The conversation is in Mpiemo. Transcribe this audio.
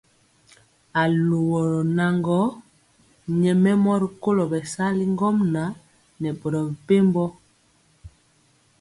Aluworo naŋgɔ nyɛmemɔ rikolo bɛsali ŋgomnaŋ nɛ boro mepempɔ.